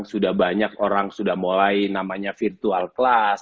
sudah banyak orang sudah mulai namanya virtual class